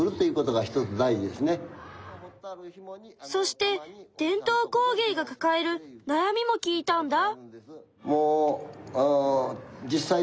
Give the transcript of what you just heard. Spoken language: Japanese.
そして伝統工芸がかかえるなやみも聞いたんだ。